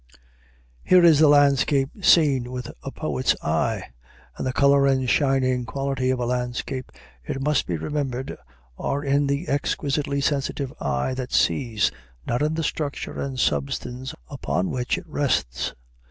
Here is the landscape seen with a poet's eye, and the color and shining quality of a landscape, it must be remembered, are in the exquisitely sensitive eye that sees, not in the structure and substance upon which it rests.